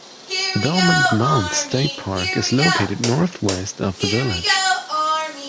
Belmont Mound State Park is located northwest of the village.